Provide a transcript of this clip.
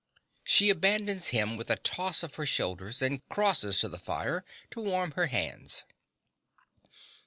(She abandons him with a toss of her shoulders, and crosses to the fire to warm her hands.)